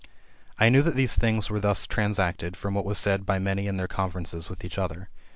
I knew that these things were thus* transacted from what was said by many in their conferences with each other.